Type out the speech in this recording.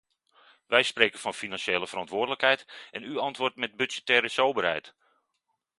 Wij spreken van financiële verantwoordelijkheid en u antwoordt met budgettaire soberheid.